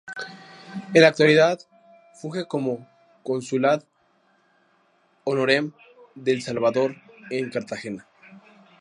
En la actualidad funge como cónsul ad honorem de El Salvador en Cartagena.